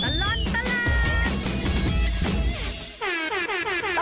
ช่วงตลอดตลอด